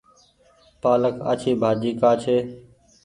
پآلڪ آڇي ڀآڃي ڪآ ڇي۔